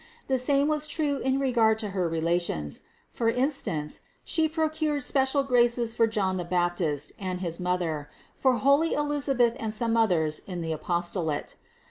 The same was true in regard to her relations. For instance, She procured special graces for John the Baptist and his mother, for holy Elisabeth and some others in the apostolate.